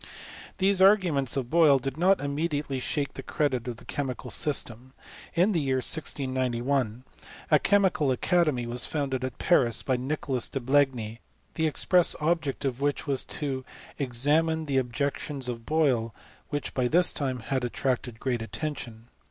These arguments of Boyle did not immediately shake the credit of the chemical system. In the year 1691, a chemical academy was founded at Paris by Nicolas de Blegny, the express object of which was to examine these objections of Boyle, which by this time had at* tracted great attention.